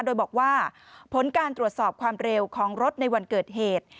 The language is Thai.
โดยบอกว่าผลการตรวจสอบความเร็วของรถในวันเกิดเหตุ